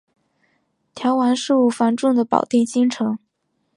调往事务繁重的保定新城。